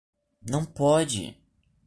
Não pode